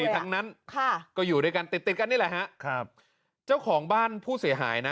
ทั้งนั้นค่ะก็อยู่ด้วยกันติดติดกันนี่แหละฮะครับเจ้าของบ้านผู้เสียหายนะ